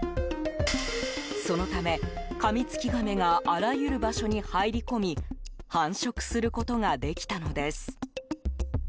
そのため、カミツキガメがあらゆる場所に入り込み繁殖することができたのです。